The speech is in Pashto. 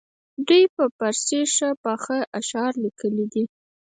دوی په فارسي ښه پاخه اشعار لیکلي دي.